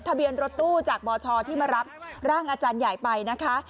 ทะเบียนรถตู้จากบชที่มารับร่างอาจารย์ใหญ่ไปนะคะ